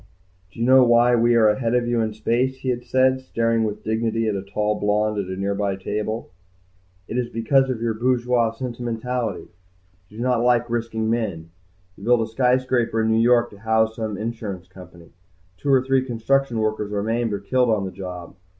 "Do you know why we are ahead of you in space?" he had said, staring with dignity at the tall blonde at a nearby table. "It is because of your bourgeois sentimentality. You do not like risking men. You build a skyscraper in New York to house some insurance company. Two or three construction workers are maimed or killed on the job.